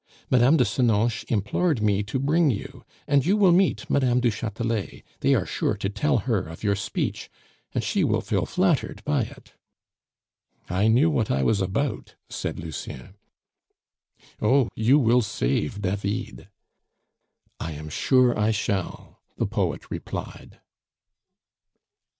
Mme. de Senonches implored me to bring you, and you will meet Mme. du Chatelet; they are sure to tell her of your speech, and she will feel flattered by it." "I knew what I was about," said Lucien. "Oh! you will save David." "I am sure I shall," the poet replied.